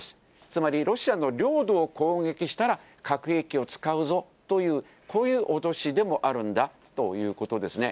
つまりロシアの領土を攻撃したら、核兵器を使うぞという、こういう脅しでもあるんだということですね。